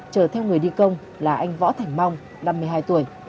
chở theo người đi công là anh võ thành mong năm mươi hai tuổi